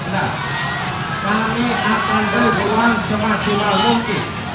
nah kami akan berdoa semacam mungkin